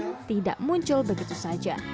yang tidak muncul begitu saja